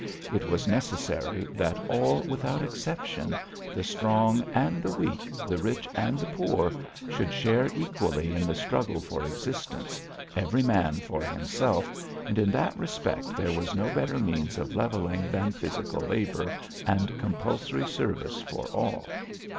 _, it was necessary that all without exception the strong and the weak, the rich and the poor should share equally in the struggle for existence, every man for himself, and in that respect there was no better means of levelling than physical labour and compulsory service for all.